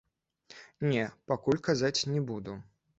Не, пакуль казаць не буду.